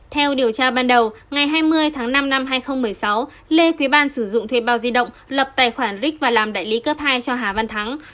theo điều tra ban đầu ngày hai mươi tháng năm năm hai nghìn một mươi sáu lê quý ban sử dụng thuê bao di động lập tài khoản ric và làm đại lý cấp hai cho hà văn thắng